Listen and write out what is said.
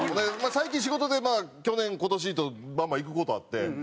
最近仕事で去年今年とバンバン行く事あって。